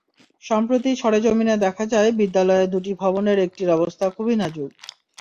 সম্প্রতি সরেজমিনে দেখা যায়, বিদ্যালয়ে দুটি ভবনের একটির অবস্থা খুবই নাজুক।